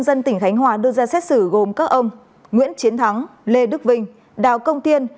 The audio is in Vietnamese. xét xử gồm các ông nguyễn chiến thắng lê đức vinh đào công tiên